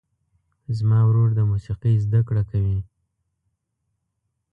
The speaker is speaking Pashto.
زما ورور د موسیقۍ زده کړه کوي.